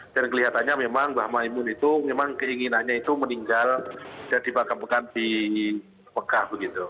dan kelihatannya memang mbah moon itu memang keinginannya itu meninggal jadi bakam bakan di bekah begitu